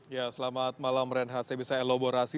ya selamat malam ren hase bisa elaborasi